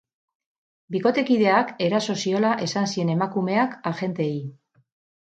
Bikotekideak eraso ziola esan zien emakumeak agenteei.